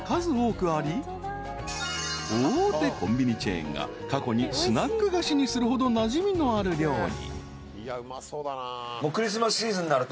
［大手コンビニチェーンが過去にスナック菓子にするほどなじみのある料理］